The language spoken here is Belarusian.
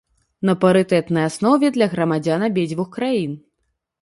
На парытэтнай аснове для грамадзян абедзвюх краін.